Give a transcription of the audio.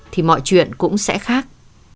thì mọi chuyện cũng sẽ khác